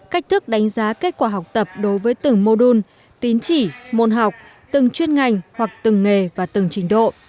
cách thức đánh giá kết quả học tập đối với từng mô đun tín chỉ môn học từng chuyên ngành hoặc từng nghề và từng trình độ